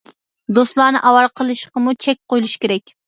دوستلارنى ئاۋارە قىلىشقىمۇ چەك قويۇلۇشى كېرەك.